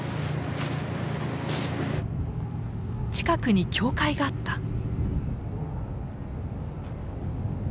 近くに教会があった。